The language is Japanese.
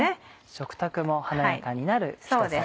食卓も華やかになるひと皿です。